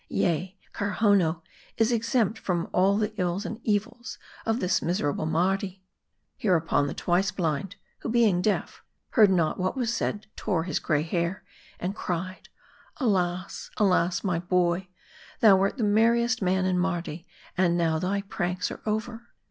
Yea ; Kar hownoo is exempt from all the ills and evils of this misera ble Mardi !" Hereupon, the Twice Blind, who being deaf, heard not what was said, tore his gray hair, and cried, " Alas ! alas ! my boy ; thou wert the merriest man in Mardi, and now thy pranks are over!"